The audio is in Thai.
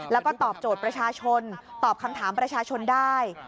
แล้วก็ตอบโจทย์ประชาชนตอบคำถามประชาชนได้